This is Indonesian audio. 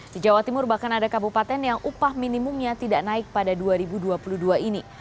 di jawa timur bahkan ada kabupaten yang upah minimumnya tidak naik pada dua ribu dua puluh dua ini